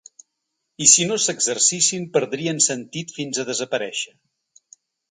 I si no s’exercissin perdrien sentit fins a desaparèixer.